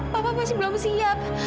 papa masih belum siap